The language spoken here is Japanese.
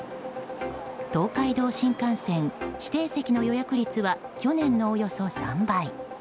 東海道新幹線指定席の予約率は去年のおよそ３倍。